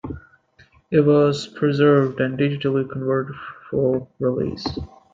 It was preserved and digitally converted for release.